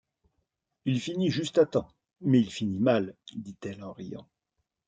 Il finit juste à temps, mais il finit mal! dit-elle en riant.